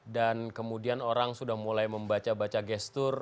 dan kemudian orang sudah mulai membaca baca gestur